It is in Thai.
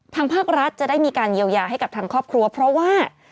ภาครัฐจะได้มีการเยียวยาให้กับทางครอบครัวเพราะว่า